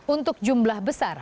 untuk jumlah besar